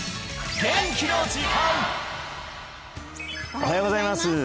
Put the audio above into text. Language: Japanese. おはようございます